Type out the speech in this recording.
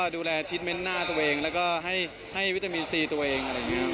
ดูแลทีตเมนต์หน้าตัวเองและให้วิตามีซีตัวเอง